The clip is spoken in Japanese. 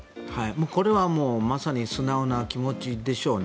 これはもうまさに素直な気持ちでしょうね。